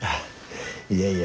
いやいや。